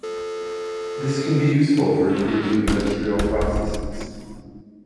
This can be useful for improving industrial processes.